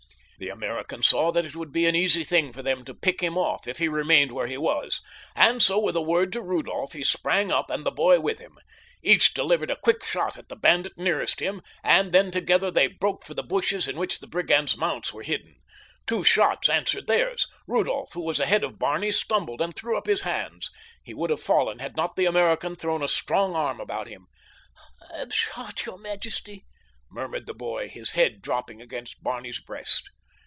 The American saw that it would be an easy thing for them to pick him off if he remained where he was, and so with a word to Rudolph he sprang up and the boy with him. Each delivered a quick shot at the bandit nearest him, and then together they broke for the bushes in which the brigand's mounts were hidden. Two shots answered theirs. Rudolph, who was ahead of Barney, stumbled and threw up his hands. He would have fallen had not the American thrown a strong arm about him. "I'm shot, your majesty," murmured the boy, his head dropping against Barney's breast.